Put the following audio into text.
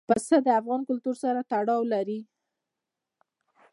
پسه د افغان کلتور سره تړاو لري.